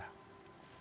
ya tentu ya